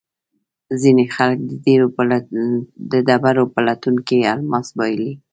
ځینې خلک د ډبرو په لټون کې الماس بایلي.